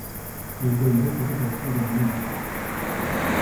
Il donne représentations dans le monde entier.